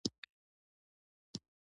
دېرشم فصل، شېبه وروسته پر یو داسې سړک باندې.